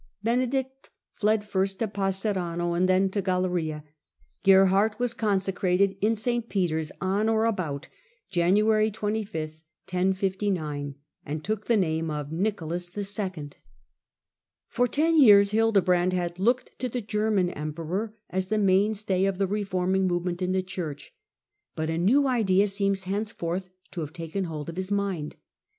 Benedict fled first to Passerano, and then to Galeria. Gerhard was con secrated in St. Peter's on or about January 25, and took the name of Nicolas 11. For ten years Hildebrand had looked to the Ger man emperor as the mainstay of the reforming move ment in the Church, but a new idea seems henceforth to have taken hold of his mind.